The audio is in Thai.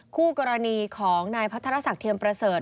คู่กรณีของนายพัทรศักดิเทียมประเสริฐ